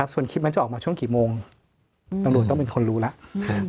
ส่วนคลิปมันจะออกมาช่วงกี่โมงตำรวจต้องเป็นคนรู้แล้ว